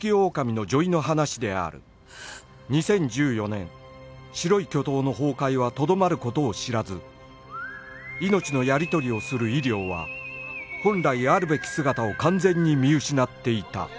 ２０１４年白い巨塔の崩壊はとどまる事を知らず命のやり取りをする医療は本来あるべき姿を完全に見失っていた